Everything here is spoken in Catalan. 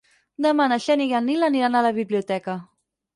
Demà na Xènia i en Nil aniran a la biblioteca.